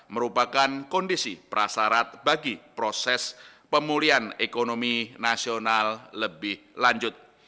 merupakan kondisi prasarat bagi proses pemulihan ekonomi nasional lebih lanjut